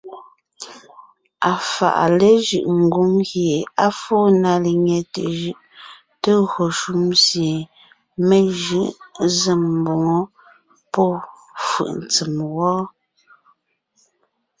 Afàʼa léjʉ́ʼ ngwóŋ gie á fóo na lenyɛte jʉʼ te gÿo shúm sie mé jʉʼ zém mboŋó pɔ́fʉ̀ʼ ntsèm wɔ́.